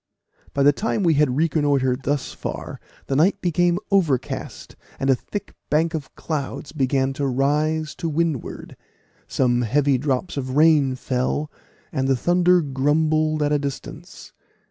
By the time we had reconnoitred thus far the night became overcast, and a thick bank of clouds began to rise to windward; some heavy drops of rain fell, and the thunder grumbled at a distance.